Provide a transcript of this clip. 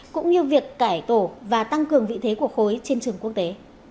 cũng như việc cải tổ và tăng cường vị thế của khối trên trường quốc tế